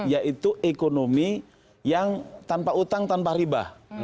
yaitu ekonomi yang tanpa utang tanpa ribah